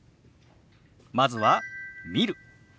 まずは「見る」。